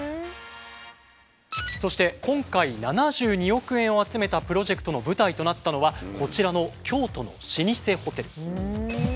そして今回７２億円を集めたプロジェクトの舞台となったのはこちらの京都の老舗ホテル。